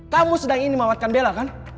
kamu sedang ini memawatkan bella kan